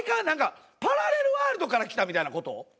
なんかパラレルワールドから来たみたいな事？